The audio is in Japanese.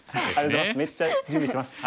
めっちゃ準備してます。